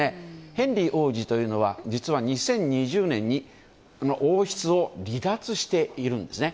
ヘンリー王子というのは実は２０２０年に王室を離脱しているんですね。